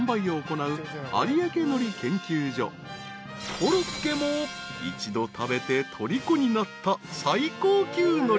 ［コロッケも一度食べてとりこになった最高級のり］